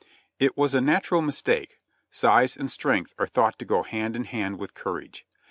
It was a natural mis take. Size and strength are thought to go hand in hand with courage.